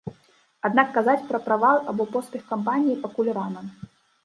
Аднак казаць пра правал або поспех кампаніі пакуль рана.